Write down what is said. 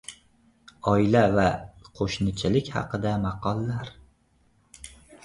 Oila va qo‘shnichilik haqida maqollar.